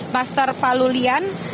master pak lulian